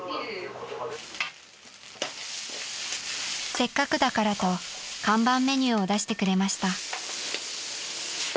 ［せっかくだからと看板メニューを出してくれました］